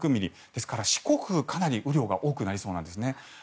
ですから、四国はかなり雨量が多くなりそうなんですね。